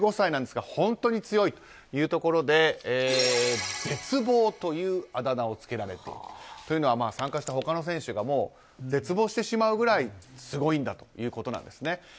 本当に強いということで絶望というあだ名をつけられると。というのは参加した他の選手が絶望してしまうぐらいすごいんだということなんですね。